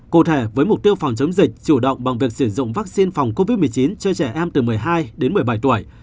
cụ thể với mục tiêu phòng chống dịch chủ động bằng việc sử dụng vaccine phòng covid một mươi chín cho trẻ em từ một mươi hai đến một mươi bảy tuổi